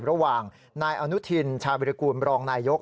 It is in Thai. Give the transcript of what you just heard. ระหว่างนายอนุทินชาบริกูลบรองนายยก